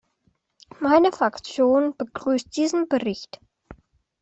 Meine Fraktion begrüßt diesen Bericht.